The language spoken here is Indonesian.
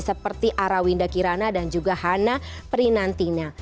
seperti arawinda kirana dan juga hana prinantina